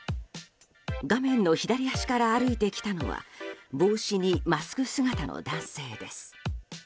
画面の左端から歩いてきたのは帽子にマスク姿の男性です。